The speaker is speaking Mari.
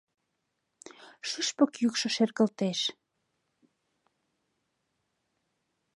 Шӱшпык йӱкшӧ шергылтеш.